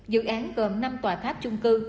dự án gồm năm tòa tháp chung cư